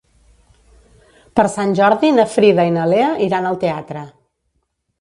Per Sant Jordi na Frida i na Lea iran al teatre.